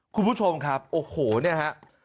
คุณผู้ชมครับโอ้โหเนี่ยฮะ